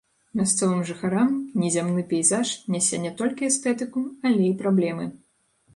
Мясцовым жыхарам незямны пейзаж нясе не толькі эстэтыку, але і праблемы.